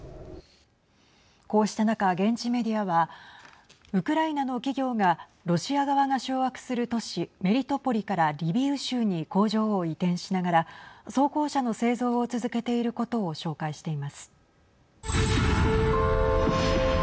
こうした中、現地メディアはウクライナの企業がロシア側が掌握する都市メリトポリからリビウ州に工場を移転しながら装甲車の製造を続けていることを紹介しています。